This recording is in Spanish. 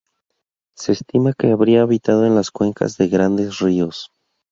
Se estima que habría habitado en las cuencas de grandes ríos.